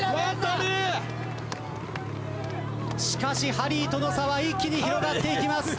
しかしハリーとの差は一気に広がっていきます。